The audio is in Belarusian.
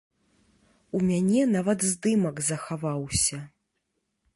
У мяне нават здымак захаваўся.